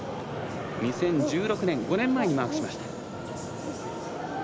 ２０１６年５年前にマークしました。